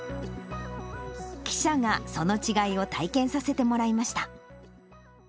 記者がその違いを体験させてもらいました。